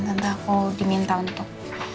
tante aku diminta untuk